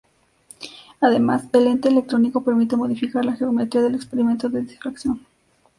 Además, el lente electrónico permite modificar la geometría del experimento de difracción.